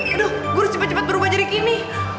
aduh gue harus cepat cepat berubah jadi gini